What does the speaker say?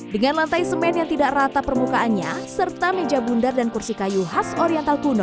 dengan lantai semen yang tidak rata permukaannya serta meja bundar dan kursi kayu khas oriental kuno